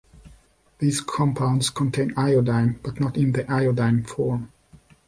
These compounds contain iodine, but not in the iodide form.